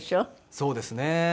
そうですね。